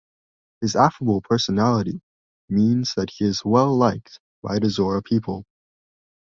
His affable personality means that he is well liked by the Zora people.